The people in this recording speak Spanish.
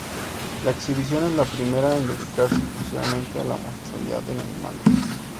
La exhibición es la primera en dedicarse exclusivamente a la homosexualidad en animales.